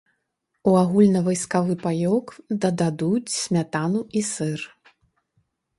У агульнавайсковы паёк дададуць смятану і сыр.